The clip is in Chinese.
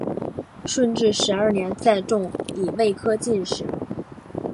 顺治十二年再中乙未科进士。